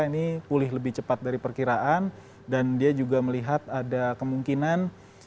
ini pulih lebih cepat dari perkiraan dan dia juga melihat ada kemungkinan